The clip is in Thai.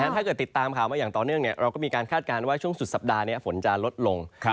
ถ้าเกิดติดตามข่าวมาอย่างต่อเนื่องเราก็มีการคาดการณ์ว่าช่วงสุดสัปดาห์นี้ฝนจะลดลง